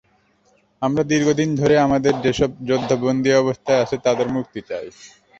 আমরা দীর্ঘদিন ধরে আমাদের যেসব যোদ্ধা বন্দী অবস্থায় আছে তাদের মুক্তি চাই।